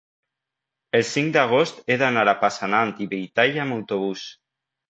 el cinc d'agost he d'anar a Passanant i Belltall amb autobús.